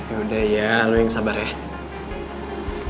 yaudah ya halo yang sabar ya